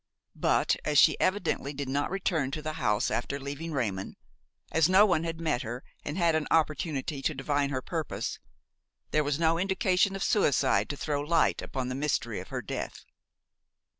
But, as she evidently did not return to the house after leaving Raymon–as no one had met her and had an opportunity to divine her purpose–there was no indication of suicide to throw light upon the mystery of her death.